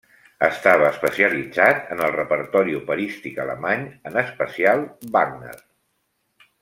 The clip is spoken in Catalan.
Estava especialitzat en el repertori operístic alemany, en especial Wagner.